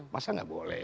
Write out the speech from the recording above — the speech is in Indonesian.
masa nggak boleh